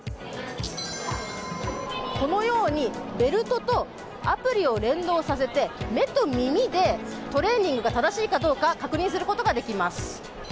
このように、ベルトとアプリを連動させて目と耳でトレーニングが正しいかどうか確認することができます。